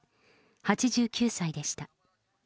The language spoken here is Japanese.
８９歳でした。